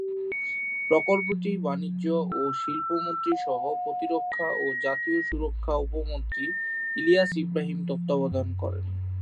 প্রকল্পটি বাণিজ্য ও শিল্পমন্ত্রী-সহ-প্রতিরক্ষা ও জাতীয় সুরক্ষা উপমন্ত্রী ইলিয়াস ইব্রাহিম তত্ত্বাবধান করেন।